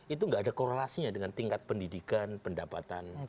itu nggak ada korelasinya dengan tingkat pendidikan pendapatan